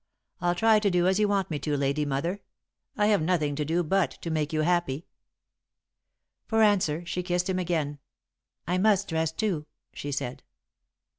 I'll try to do as you want me to, Lady Mother. I have nothing to do but to make you happy." For answer, she kissed him again. "I must dress, too," she said.